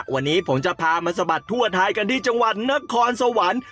วันนี้ผมจะพามาสะบัดทั่วไทยกันที่จังหวัดนครสวรรค์